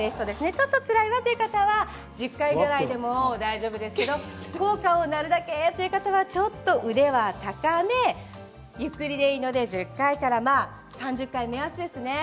ちょっとつらいわという方は１０回ぐらいでも大丈夫ですけど効果をなるべくという方はちょっと腕が高めゆっくりでいいので１０回から３０回目安ですね。